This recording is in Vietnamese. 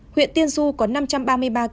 huyện tiên du có năm trăm ba mươi ba cây